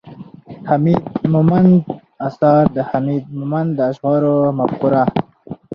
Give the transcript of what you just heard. ،حميد مومند اثار، د حميد مومند د اشعارو مفکوره